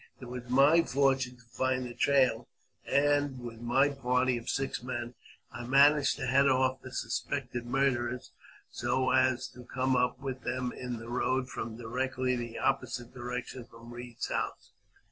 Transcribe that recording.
It] was my fortune to find the trail, and with my party of six men I managed to head off the suspected murderers so as to come up with them in the road from directly the opposite direction from Eeed's house.